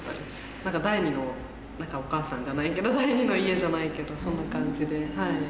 なんか第二のお母さんじゃないけど、第二の家じゃないですけど、そんな感じで。